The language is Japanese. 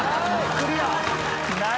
クリア。